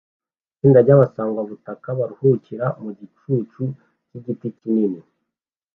Itsinda ryabasangwabutaka baruhukira mu gicucu cyigiti kinini